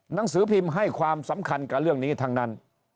หนังสือพิมพ์ให้ความสำคัญกับเรื่องนี้ทั้งนั้น